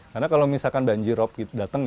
karena kalau misalkan banjirop datang